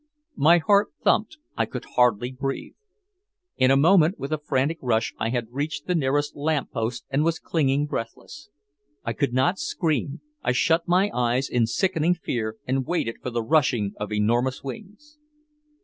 My heart thumped, I could hardly breathe. In a moment with a frantic rush I had reached the nearest lamp post and was clinging breathless. I could not scream, I shut my eyes in sickening fear and waited for the rushing of enormous wings.